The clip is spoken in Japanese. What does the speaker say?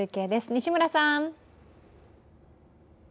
西村さん。